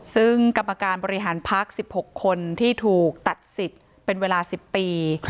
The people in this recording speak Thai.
ซึ่งกรรมการบริหารพัก๑๖คนที่ถูกตัดสิทธิ์เป็นเวลา๑๐ปี